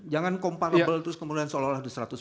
jangan komparable terus kemudian seolah olah di seratus